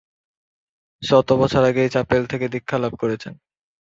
শত বছর আগে এই চাপেল থেকে দীক্ষা লাভ করেছেন।